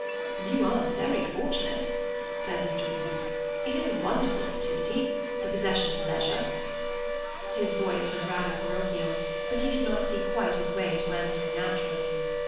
"You are very fortunate," said Mr. Beebe. "It is a wonderful opportunity, the possession of leisure." His voice was rather parochial, but he did not quite see his way to answering naturally.